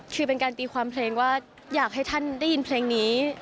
คือเป็นการตีความเพลงว่าอยากให้ท่านได้ยินเพลงนี้